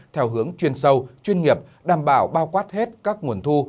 theo hướng chuyên sâu chuyên nghiệp đảm bảo bao quát hết các nguồn thu